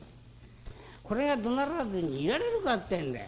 これがどならずにいられるかってえんだよ。